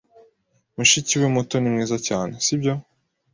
Mushiki we muto ni mwiza cyane, sibyo?